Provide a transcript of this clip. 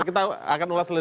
kita akan ulas